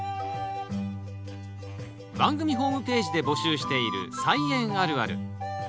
番組ホームページで募集している「菜園あるある」。